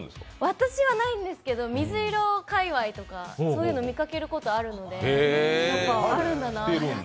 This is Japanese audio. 私はないんですけど水色界わいとかそういうのを見かけることあるんで、やっぱりあるんだなと。